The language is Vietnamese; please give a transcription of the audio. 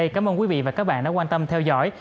cảm ơn các bạn đã theo dõi